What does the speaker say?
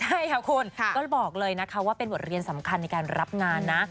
ใช่ค่ะคุณก็บอกเลยนะคะว่าเป็นบทเรียนสำคัญในการรับงานนะ